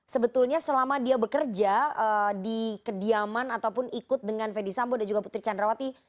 sebetulnya selama dia bekerja di kediaman ataupun ikut dengan fedy sambo dan juga putri candrawati